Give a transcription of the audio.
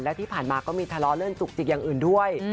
และที่ผ่านมาก็มีทะเลาะเรื่องจุกจิกอย่างอื่นด้วย